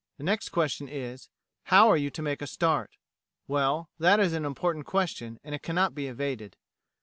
The next question is, How are you to make a start? Well, that is an important question, and it cannot be evaded.